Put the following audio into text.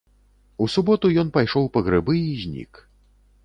У суботу ён пайшоў па грыбы і знік.